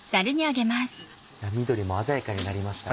緑も鮮やかになりましたね。